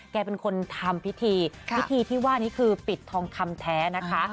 แกเป็นคนทำพิธีพิธีที่ว่านี้คือปิดทองคำแท้นะคะ